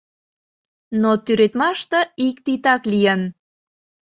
Но тӱредмаште ик титак лийын...